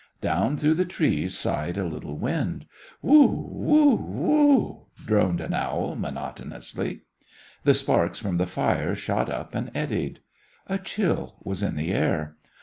Down through the trees sighed a little wind. "Whoo! whoo! whoo!" droned an owl, monotonously. The sparks from the fire shot up and eddied. A chill was in the air.